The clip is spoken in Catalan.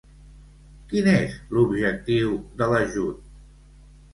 Quin és l'objectiu de l'ajut?